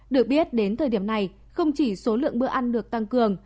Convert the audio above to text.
được biết đến thời điểm này không chỉ số lượng bữa ăn được tăng cường